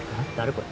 これ。